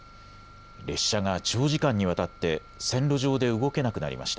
列車が長時間にわたって線路上で動けなくなりました。